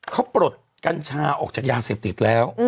เขาปลดกัญชาออกจากยาเสพติดแล้ว